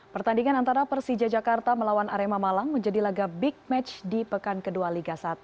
pertandingan antara persija jakarta melawan arema malang menjadi laga big match di pekan kedua liga satu